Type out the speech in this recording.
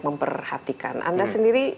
memperhatikan anda sendiri